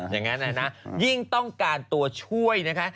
อย่างนั้นนะยิ่งต้องการตัวช่วยนะคะ